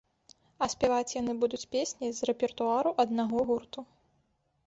А спяваць яны будуць песні з рэпертуару аднаго гурту.